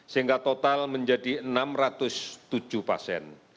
sehingga total menjadi enam ratus tujuh pasien